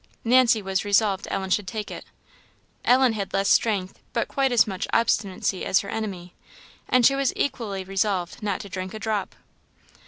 Nancy was resolved Ellen should take it. Ellen had less strength, but quite as much obstinacy as her enemy, and she was equally resolved not to drink a drop.